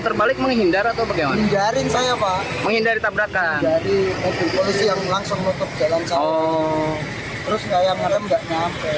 terus yang rembak rembak nyampe